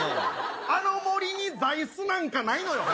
あの森に座いすなんかないのよ。